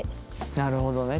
なるほどね。